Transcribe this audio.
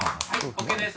ＯＫです。